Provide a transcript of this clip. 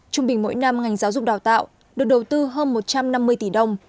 trung bình mỗi năm ngành giáo dục đào tạo được đầu tư hơn một trăm năm mươi tỷ đồng